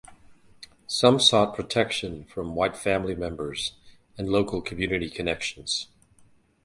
Some sought protection from white family members and local community connections.